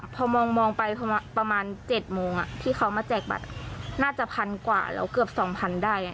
พอมองไปประมาณ๗โมงที่เขามาแจกบัตรน่าจะพันกว่าแล้วเกือบ๒๐๐๐ได้